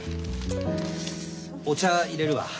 お茶入れるわ。